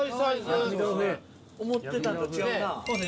思ってたんと違うな。